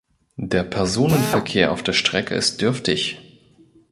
Der Personenverkehr auf der Strecke ist dürftig.